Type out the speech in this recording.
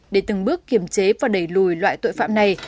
để từng bước kiểm chế và đẩy lùi loại tội phạm này